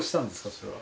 それは。